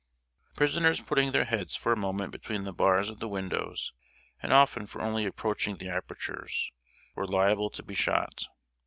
] Prisoners putting their heads for a moment between the bars of the windows, and often for only approaching the apertures, were liable to be shot.